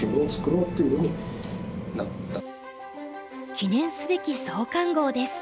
記念すべき創刊号です。